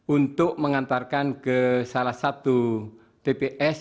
untuk mengantarkan ke salah satu tps